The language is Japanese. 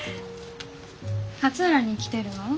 勝浦に来てるの？